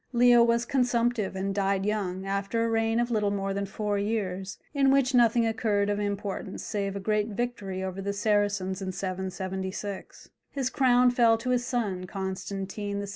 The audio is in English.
Leo was consumptive and died young, after a reign of little more than four years, in which nothing occurred of importance save a great victory over the Saracens in 776. His crown fell to his son, Constantine VI.